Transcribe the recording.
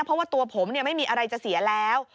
เพราะว่าตัวผมไม่มีอะไรจะเสียแล้ว